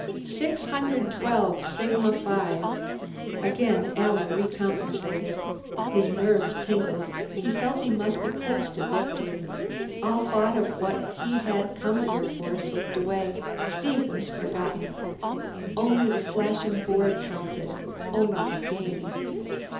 "Six hundred twelve sigma five." Again Alan recompensated. His nerves tingled; he felt he must be close to victory. All thought of what he had come here for slipped away; Steve was forgotten. Only the flashing board counted, only the game.